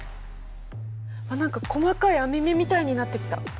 あっ何か細かい網目みたいになってきた。